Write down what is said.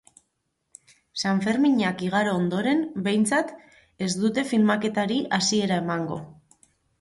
Sanferminak igaro ondoren, behintzat, ez dute filmaketari hasiera emango.